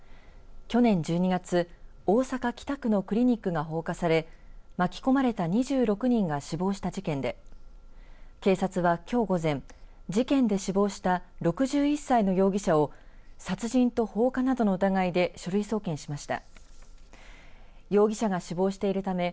去年１２月、大阪北区のクリニックが放火され巻き込まれた２６人が死亡した事件で警察は、きょう午前事件で死亡した６１歳の容疑者を殺人と放火などの疑いで書類送検しました。